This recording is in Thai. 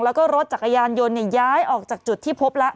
แล้วก็รถจักรยานยนต์ย้ายออกจากจุดที่พบแล้ว